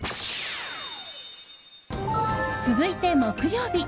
続いて、木曜日。